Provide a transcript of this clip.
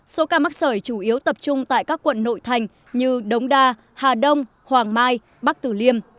số ca mắc sởi chủ yếu tập trung tại các quận nội thành như đống đa hà đông hoàng mai bắc tử liêm